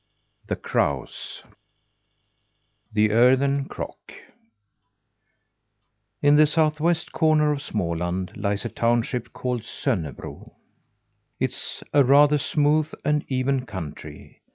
THE CROWS THE EARTHEN CROCK In the southwest corner of Småland lies a township called Sonnerbo. It is a rather smooth and even country.